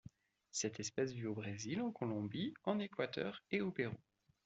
Cette espèce vit au Brésil, en Colombie, en Équateur et au Pérou.